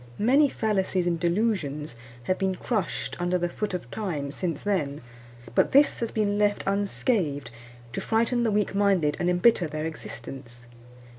Many fallacies and delusions have been crushed under the foot of Time since then; but this has been left unscathed, to frighten the weak minded and embitter their existence.